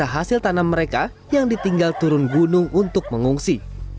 dan juga hasil tanam mereka yang ditinggal turun gunung untuk mengungsi